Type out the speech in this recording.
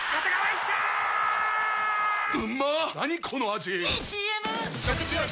⁉いいＣＭ！！